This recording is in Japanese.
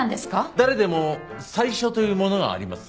誰でも最初というものがあります。